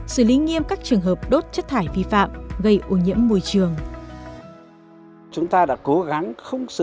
xử lý nghiêm các trường hợp đốt chất thải vi phạm gây ô nhiễm môi trường